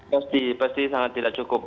pasti pasti sangat tidak cukup